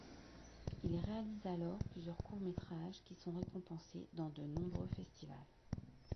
Il réalise alors plusieurs courts-métrages qui sont récompensés dans de nombreux festivals.